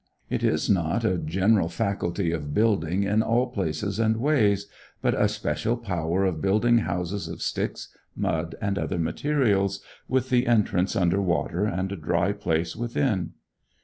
It is not a general faculty of building in all places and ways, but a special power of building houses of sticks, mud, and other materials, with the entrance under water and a dry place within.